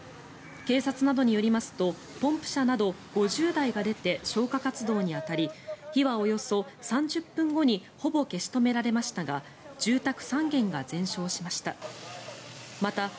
警察などによりますとポンプ車など５０台が出て消火活動に当たり火はおよそ３０分後にほぼ消し止められましたが住宅３軒が全焼しました。